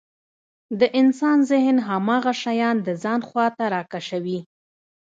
د انسان ذهن هماغه شيان د ځان خواته راکشوي.